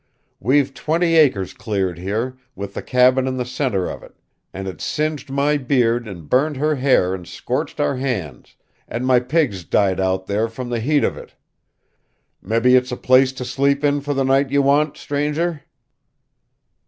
We've twenty acres cleared here, with the cabin in the center of it, an' it singed my beard and burned her hair and scorched our hands, and my pigs died out there from the heat of it. Mebby it's a place to sleep in for the night you want, stranger?"